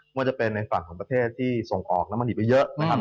ว่าจะเป็นในฝั่งของประเทศที่ส่งออกน้ำมันดิบไว้เยอะนะครับ